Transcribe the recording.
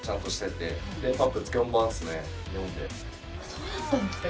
そうだったんですか！